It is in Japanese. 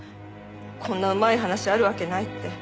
こんなうまい話あるわけないって。